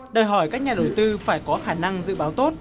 đòi hỏi các nhà đầu tư phải có khả năng dự báo tốt